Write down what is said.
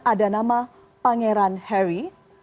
ada nama pangeran harry